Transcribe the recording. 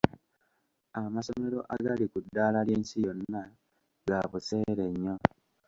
Amasomero agali ku ddaala ly'ensi yonna ga buseere nnyo.